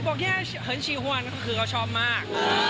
บอกแย่เฮิ้นชีฮวันคือเขาชอบมาก